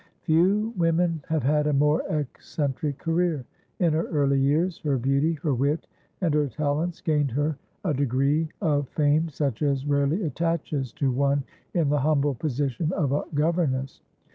Few women have had a more eccentric career. In her early years her beauty, her wit, and her talents gained her a degree of fame such as rarely attaches to one in the humble position of a governess.